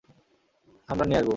আমরা নিয়ে আসবো।